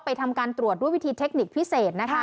ทำการตรวจด้วยวิธีเทคนิคพิเศษนะคะ